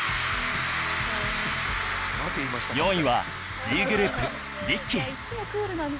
４位は Ｇ グループリッキー